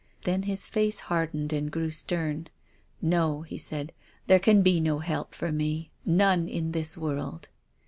Then his face hardened and grew stern. " No," he said, " there can be no help for me, none in this world."